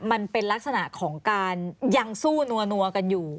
มันเป็นลักษณะของการยังสู้นัวกันอยู่